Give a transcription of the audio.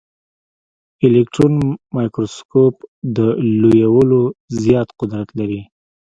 الکټرون مایکروسکوپ د لویولو زیات قدرت لري.